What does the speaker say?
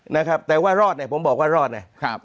นะครับแต่ว่ารอดเนี่ยผมบอกว่ารอดนะครับ